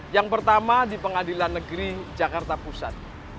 yang pertama di pengadilan negeri jakarta pusat